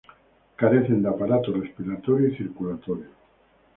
Carecen de aparato respiratorio y circulatorio.